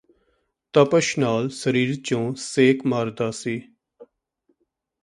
ਤਪਸ਼ ਨਾਲ ਸਰੀਰ ਚੋਂ ਸੇਕ ਮਾਰਦਾ ਸੀ